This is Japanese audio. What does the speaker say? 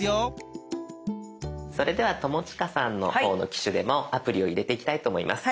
それでは友近さんの方の機種でもアプリを入れていきたいと思います。